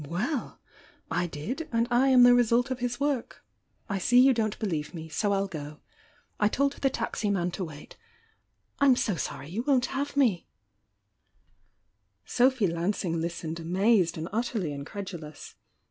Well! 1 did and I am the result of his work. I see you don't believe me. so I'll go. I told the ta» THE YOUNG UIANA 827 man to w«it. I'm »o sorry you won't have mel" Sophy Lansing listened amazed and utterly in credulous.